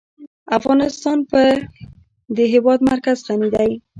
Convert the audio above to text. افغانستان په د هېواد مرکز غني دی.